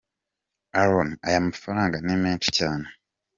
Aaron: “ Aya mafaranga ni menshi cyane.